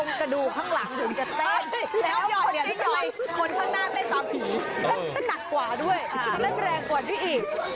นั่นก็หนักกว่าด้วยและก็แรงกว่าที่อีก